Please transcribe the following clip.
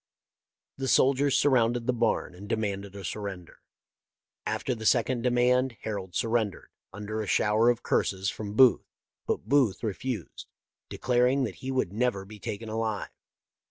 The soldiers surrounded the barn and demanded a surrender. After the second demand Harold surrendered, under a shower of curses from Booth, but Booth refused, declaring that he would never be taken alive.